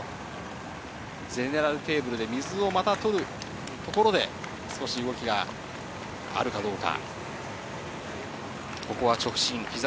ゼネラルテーブルでまた水を取るところで、少し動きがあるかどうか。